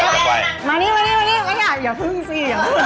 จับไว้มานี่อย่าพึ่งสิ